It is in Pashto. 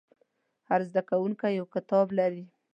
هر زده کوونکی یو کتاب لري.